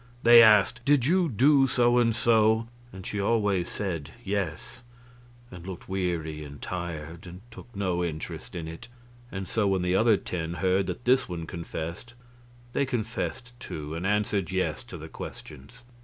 They asked, "Did you do so and so?" and she always said yes, and looked weary and tired, and took no interest in it. And so when the other ten heard that this one confessed, they confessed, too, and answered yes to the questions.